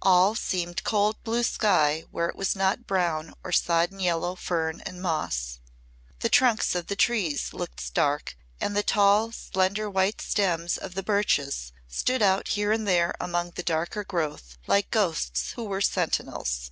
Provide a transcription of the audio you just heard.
All seemed cold blue sky where it was not brown or sodden yellow fern and moss. The trunks of the trees looked stark and the tall, slender white stems of the birches stood out here and there among the darker growth like ghosts who were sentinels.